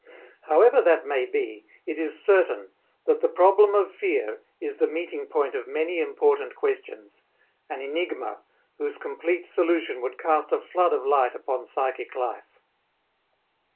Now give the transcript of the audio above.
However that may be, it is certain that the problem of fear is the meeting point of many important questions, an enigma whose complete solution would cast a flood of light upon psychic life.